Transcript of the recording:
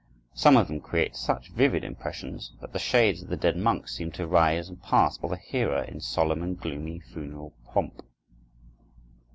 Some of them create such vivid impressions that the shades of the dead monks seem to rise and pass before the hearer in solemn and gloomy funeral pomp.